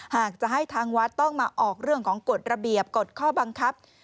หากจะให้ทางวัดต้องมาออกเรื่องของกฎระเบียบกฎข้อบังคับ